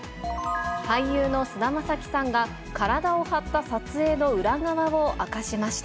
俳優の菅田将暉さんが、体を張った撮影の裏側を明かしました。